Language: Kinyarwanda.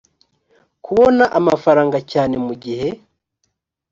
kubona amafaranga cyane mu gihe